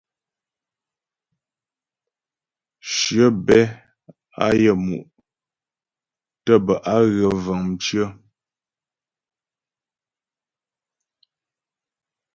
Shyə bɛ́ á yaə́mu' tə́ bə́ á ghə vəŋ mcyə̀.